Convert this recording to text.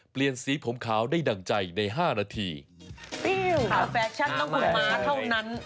ฟิวฟาวแฟชันน้องคุณมาเท่านั้น